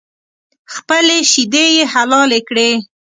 خپلې شیدې یې حلالې کړې.